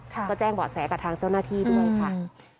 ก็แจ้งเบาะแสกับทางเจ้าหน้าที่ด้วยค่ะ